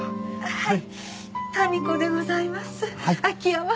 はい。